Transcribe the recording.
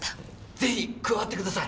ぜひ加わってください。